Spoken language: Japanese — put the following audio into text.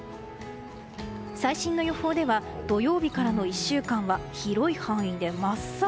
最新の予報では土曜日からの１週間は広い範囲で真っ青。